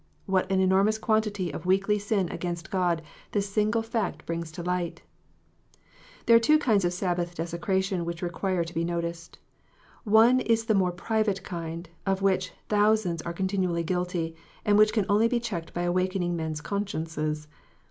What an enormous quantity of weekly sin against God this single fact brings to light ! There are two kinds of Sabbath desecration which require to be noticed. One is that more private kind of which thousands are continually guilty, and which can only be checked by awakening men s consciences.